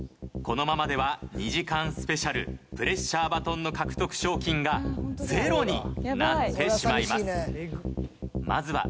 このままでは２時間スペシャルプレッシャーバトンの獲得賞金がゼロになってしまいます。